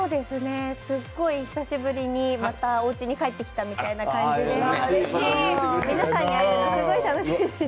すっごい久しぶりに、おうちに帰ってきたみたいな感じで。